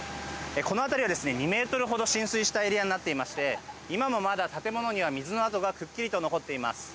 この辺りは２ｍほど浸水したエリアになっていまして今もまだ建物には水の跡がくっきりと残っています。